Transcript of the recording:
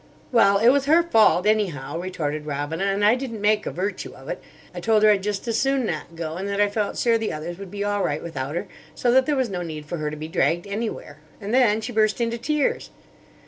"Well, it was her fault, anyhow," retorted Robina; "and I didn't make a virtue of it. I told her I'd just as soon not go, and that I felt sure the others would be all right without her, so that there was no need for her to be dragged anywhere. And then she burst into tears."